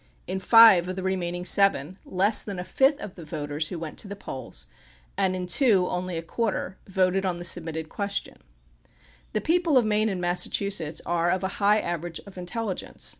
In five of the remaining seven THE PUBLIC OPINION BILL 21 less than a fifth of the voters who went to the polls, and in two only a quarter, voted on the submitted question. The people of Maine and Massachusetts are of a high average of intelligence.